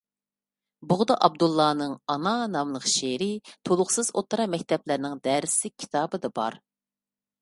بۇغدا ئابدۇللانىڭ «ئانا» ناملىق شېئىرى تولۇقسىز ئوتتۇرا مەكتەپلەرنىڭ دەرسلىك كىتابىدا بار.